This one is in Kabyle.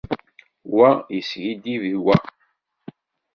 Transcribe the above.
Wa yeskiddib i wa.